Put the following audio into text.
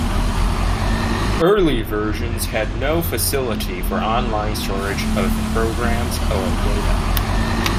Early versions had no facility for on-line storage of programs or data.